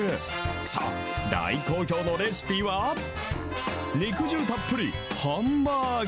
さあ、大好評のレシピは、肉汁たっぷりハンバーグ。